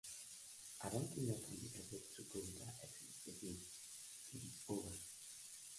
Becker also founded New Cycle Capital.